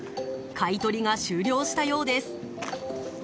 買い取りが終了したようです。